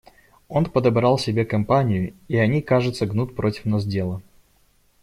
Он подобрал себе компанию, и они, кажется, гнут против нас дело.